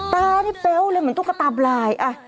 ตานี่แป๊วเลยเหมือนตุ๊กตาบลาย